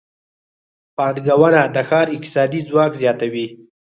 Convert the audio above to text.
پانګونه د ښار اقتصادي ځواک زیاتوي.